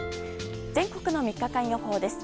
全国の３日間予報です。